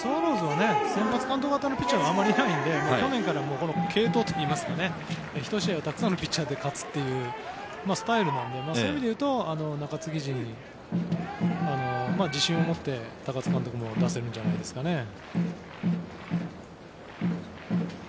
スワローズは先発完投型のピッチャーがあまりいないので去年から継投といいますか１試合をたくさんのピッチャーで勝つというスタイルなのでそういう意味でいうと中継ぎ陣には自信を持って高津監督も出せるんじゃないんですかね。